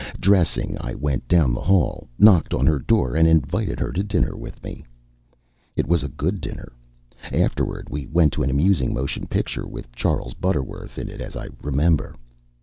Dressing, I went down the hall, knocked on her door and invited her to dinner with me. It was a good dinner. Afterward we went to an amusing motion picture, with Charles Butterworth in it as I remember.